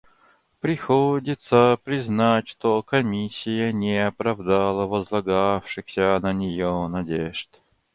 Приходится признать, что Комиссия не оправдала возлагавшихся на нее надежд.